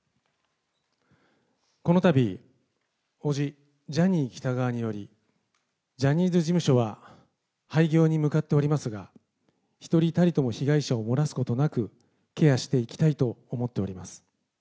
このたび、叔父、ジャニー喜多川により、ジャニーズ事務所は廃業に向かっておりますが、一人たりとも被害者を漏らすことなく、ケアしていきたいと思っております。